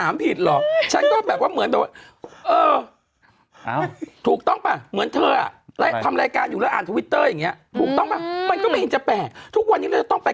เมื่อคืนคุณเลยพูดอะไร